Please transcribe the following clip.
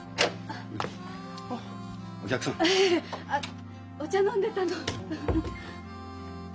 あっお茶飲んでたの。